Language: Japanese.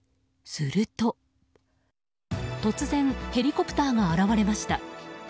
すると突然、ヘリコプターが現れました。